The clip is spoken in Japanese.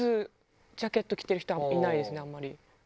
ジャケット着てる人はいないですねあんまり。